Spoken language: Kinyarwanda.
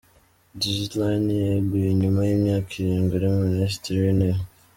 Desaleign yeguye nyuma y’imyaka irindwi ari Minisitiri w’intebe